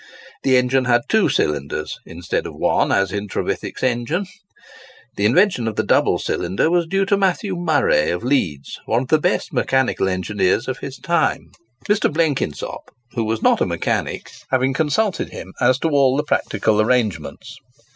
The engine had two cylinders, instead of one as in Trevithick's engine. The invention of the double cylinder was due to Matthew Murray, of Leeds, one of the best mechanical engineers of his time; Mr. Blenkinsop, who was not a mechanic, having consulted him as to all the practical arrangements.